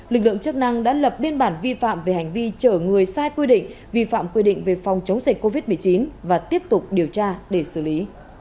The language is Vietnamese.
lực lượng chức năng đã lập biên bản vi phạm về hành vi chở người sai quy định vi phạm quy định về phòng chống dịch covid một mươi chín và tiếp tục điều tra để xử lý